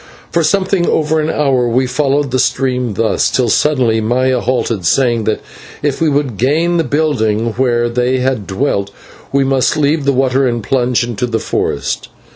For something over an hour we followed the stream thus, till suddenly Maya halted, saying that if we would gain the building where they had dwelt, we must leave the water and plunge into the forest.